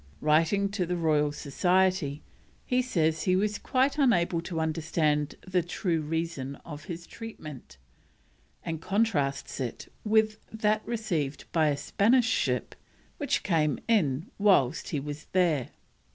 Writing to the Royal Society, he says he is quite unable to understand the true reason of his treatment, and contrasts it with that received by a Spanish ship which came in whilst he was there.